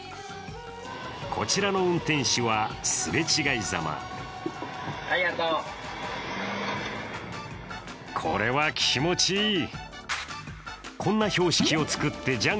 こちらの運転手は、すれ違いざまこれは気持ちいい。